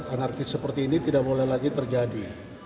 anarkis seperti ini tidak boleh lagi terjadi